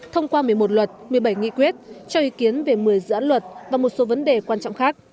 thông qua một mươi một luật một mươi bảy nghị quyết cho ý kiến về một mươi dự án luật và một số vấn đề quan trọng khác